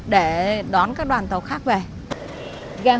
để đón các đoàn tàu khách hàng hóa ga sóng thần